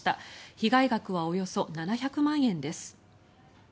被害額はおよそ７００万円です。